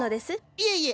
いえいえ。